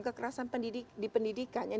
kekerasan pendidikan yang